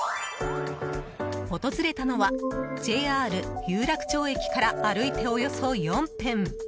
訪れたのは、ＪＲ有楽町駅から歩いておよそ４分。